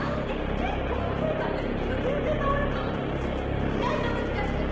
結構吹いたんですけど全然倒れないそう意外と難しいんです